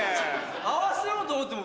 合わせようと思っても。